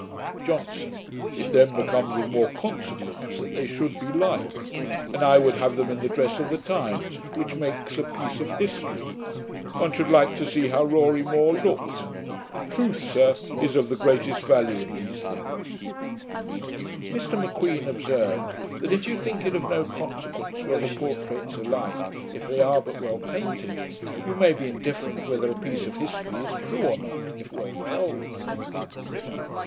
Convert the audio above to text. JOHNSON. 'It then becomes of more consequence that they should be like; and I would have them in the dress of the times, which makes a piece of history. One should like to see how Rorie More looked. Truth, sir, is of the greatest value in these things.' Mr M'Queen observed, that if you think it of no consequence whether portraits are like, if they are but well painted, you may be indifferent whether a piece of history is true or not, if well told.